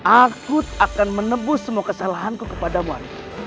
aku akan menebus semua kesalahanku kepada marokko